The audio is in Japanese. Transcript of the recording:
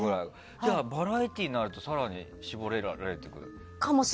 じゃあ、バラエティーになると更に絞られる。